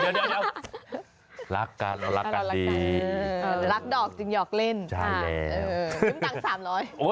เดี๋ยวรักกันรักกันดีรักดอกจึงหยอกเล่นใช่แล้ว